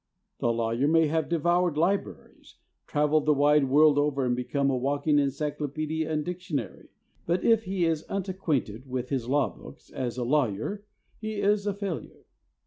The law yer may have devoured libraries, traveled the wide world over, and become a walk ing encyclopedia and dictionary, but if he is unacquainted with his law books, as a lawyer he is a failure.